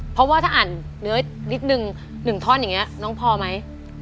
เพราะว่าถ้าอ่านเนื้อนิดนึง๑ท่อนอย่างนี้น้องพอไหม